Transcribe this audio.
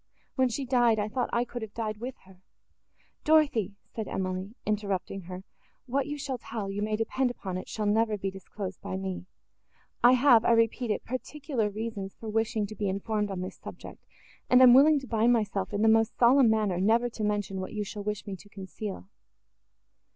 When she died, I thought I could have died with her!" "Dorothée," said Emily, interrupting her, "what you shall tell, you may depend upon it, shall never be disclosed by me. I have, I repeat it, particular reasons for wishing to be informed on this subject, and am willing to bind myself, in the most solemn manner, never to mention what you shall wish me to conceal."